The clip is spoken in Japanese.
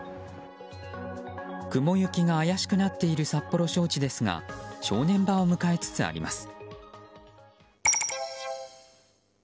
雲行きが怪しくなっている札幌招致ですが正念場を迎えつつあります。